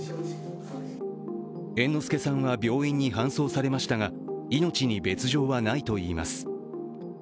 猿之助さんは病院に搬送されましたが命に別状はないといいます。